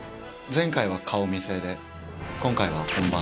前回は顔見せで、今回は本番。